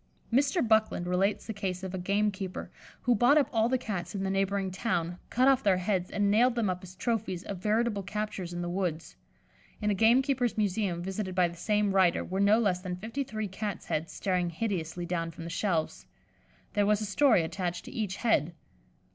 Mr. Buckland relates the case of a gamekeeper who bought up all the Cats in the neighbouring town, cut off their heads, and nailed them up as trophies of veritable captures in the woods. In a gamekeeper's museum, visited by the same writer, were no less than fifty three Cats' heads staring hideously down from the shelves. There was a story attached to each head.